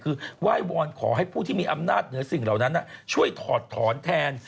คือไหว้วอนขอให้ผู้ที่มีอำนาจเหนือสิ่งเหล่านั้นช่วยถอดถอนแทน